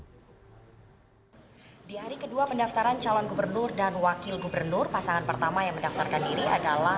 pada mendaftaran calon gubernur dan wakil gubernur pasangan pertama yang mendaftarkan diri adalah